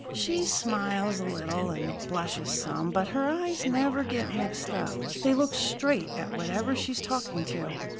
"She smiles a little, and blushes some, but her eyes never get mixed up. They look straight at whatever she's talking to.